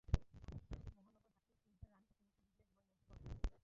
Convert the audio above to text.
শুনানি শেষে মহানগর হাকিম স্নিগ্ধা রানী চক্রবর্তী দুই দিনের রিমান্ড মঞ্জুর করেন।